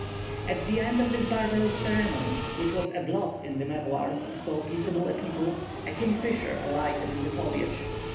At the end of this barbarous ceremony, which was a blot in the memoirs of so peaceable a people, a king fisher alighted in the foliage.